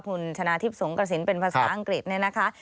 คุณชนะทิพย์สงกระสินเป็นภาษาอังกฤษเนี่ยนะคะ